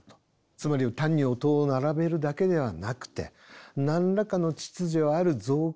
つまり単に音を並べるだけではなくて何らかの秩序ある造形物にする。